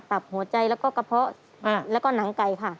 หัวใจแล้วก็กระเพาะแล้วก็หนังไก่ค่ะ